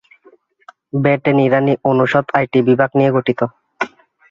Veterinary অনুষদ আটটি বিভাগ নিয়ে গঠিত।